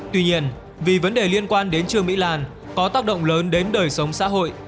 tuy nhiên vì vấn đề liên quan đến trương mỹ lan có tác động lớn đến đời sống xã hội